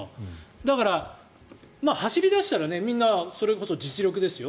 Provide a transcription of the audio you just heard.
だから、走り出したらみんな、それこそ実力ですよ